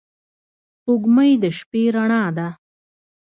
سپوږمۍ د شپې رڼا ده